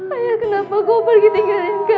ayah kenapa kau pergi tinggalin kami